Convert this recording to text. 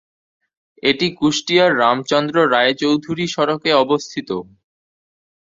এটি কুষ্টিয়ার রাম চন্দ্র রায় চৌধুরী সড়কে অবস্থিত।